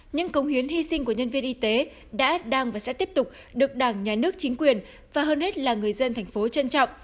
những công hiến hy sinh của nhân viên y tế đã đang và sẽ tiếp tục được đảng nhà nước chính quyền và hơn hết là người dân thành phố trân trọng